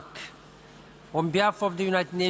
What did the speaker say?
คุณพระเจ้า